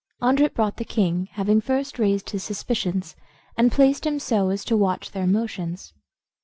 Andret brought the king, having first raised his suspicions, and placed him so as to watch their motions.